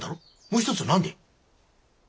もう一つは何でえ？